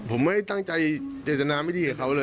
ผมไม่จังใจเจรถนาไว้ที่เห็นเค้าเลย